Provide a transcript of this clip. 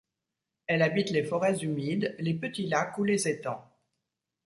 Elle habite les forêts humides, les petits lacs ou les étangs.